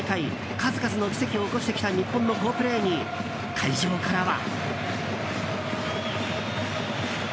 数々の奇跡を起こしてきた日本の好プレーに会場からは。